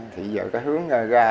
thì giờ cái hướng ra